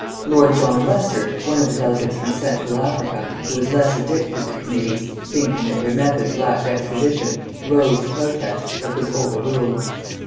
Lord John Lester, one of the delegates from Central Africa, who was less addicted to committees, thinking that their methods lacked expedition, rose to protest, but was overruled.